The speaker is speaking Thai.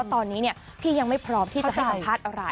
ตอนนี้พี่ยังไม่พร้อมที่จะให้สัมภาษณ์อะไร